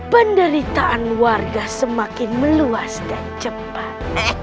penderitaan warga semakin meluas dan cepat